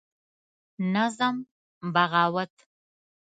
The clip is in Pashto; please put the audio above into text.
نظم: بغاوت